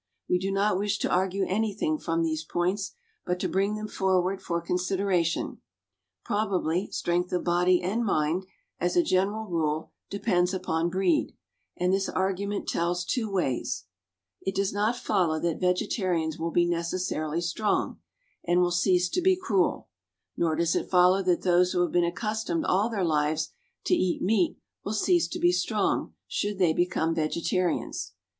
We do not wish to argue anything from these points, but to bring them forward for consideration. Probably, strength of body and mind, as a general rule, depends upon breed, and this argument tells two ways it does not follow that vegetarians will be necessarily strong, and will cease to be cruel; nor does it follow that those who have been accustomed all their lives to eat meat will cease to be strong should they become vegetarians.